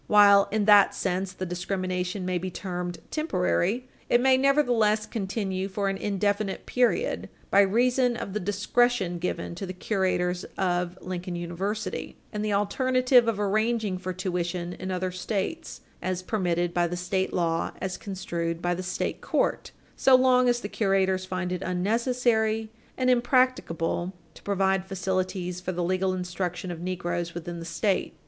While, in that sense, the discrimination may be termed temporary, it may nevertheless continue for an indefinite period by reason of the discretion given to the curators of Lincoln Page 305 U. S. 352 University and the alternative of arranging for tuition in other States, as permitted by the state law as construed by the state court, so long as the curators find it unnecessary and impracticable to provide facilities for the legal instruction of negroes within the State.